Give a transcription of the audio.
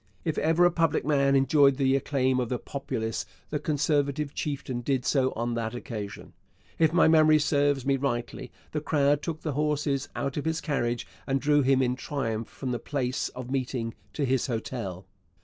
If ever a public man enjoyed the acclaim of the populace, the Conservative chieftain did so on that occasion. If my memory serves me rightly, the crowd took the horses out of his carriage and drew him in triumph from the place of meeting to his hotel.